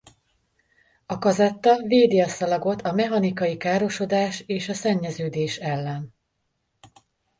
A kazetta védi a szalagot a mechanikai károsodás és a szennyeződés ellen.